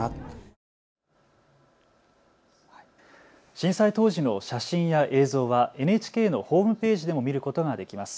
震災当時の写真や映像はＮＨＫのホームページでも見ることができます。